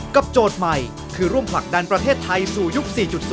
โจทย์ใหม่คือร่วมผลักดันประเทศไทยสู่ยุค๔๐